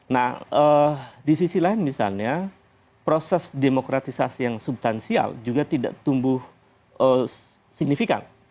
nah di sisi lain misalnya proses demokratisasi yang subtansial juga tidak tumbuh signifikan